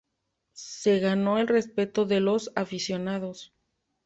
Se ganó el respeto de los aficionados.